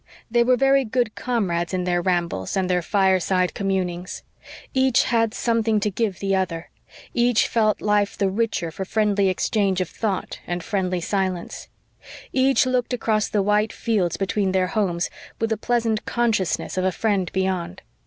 They were very good comrades in their rambles and their fireside communings. Each had something to give the other each felt life the richer for friendly exchange of thought and friendly silence; each looked across the white fields between their homes with a pleasant consciousness of a friend beyond.